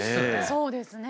そうですね。